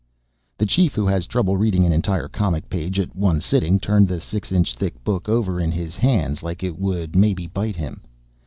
The Chief, who has trouble reading an entire comic page at one sitting, turned the 6 inch thick book over in his hands like it would maybe bite him.